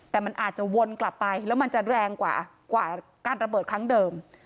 แต่มันอาจจะวนกลับไปแล้วมันจะแรงกว่าการระเบิดครั้งเดิม